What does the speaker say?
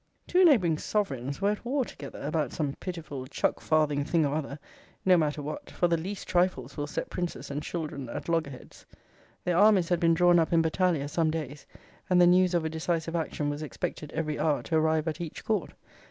'Two neighbouring sovereigns were at war together, about some pitiful chuck farthing thing or other; no matter what; for the least trifles will set princes and children at loggerheads. Their armies had been drawn up in battalia some days, and the news of a decisive action was expected every hour to arrive at each court.